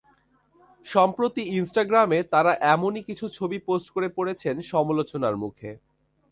সম্প্রতি ইনস্টাগ্রামে তাঁরা এমনই কিছু ছবি পোস্ট করে পড়েছেন সমালোচনার মুখে।